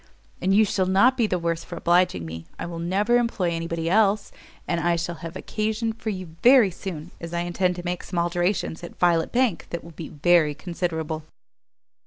And you shall not be the worse for obliging me; I will never employ any body else, and I shall have occasion for you very soon, as I intend to make some alterations at Violet Bank that will be very considerable."